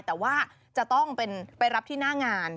แต่ว่าจะต้องไปรับที่หน้างาน